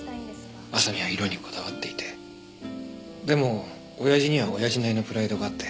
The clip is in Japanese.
麻未は色にこだわっていてでも親父には親父なりのプライドがあって。